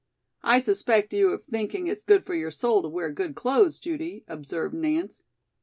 "I suspect you of thinking it's good for your soul to wear good clothes, Judy," observed Nance.